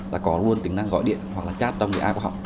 là có luôn tính năng gọi điện hoặc là chat trong cái app của họ